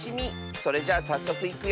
それじゃあさっそくいくよ。